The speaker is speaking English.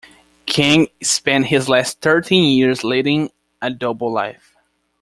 King spent his last thirteen years leading a double life.